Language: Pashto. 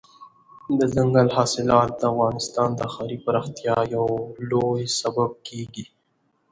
دځنګل حاصلات د افغانستان د ښاري پراختیا یو لوی سبب کېږي.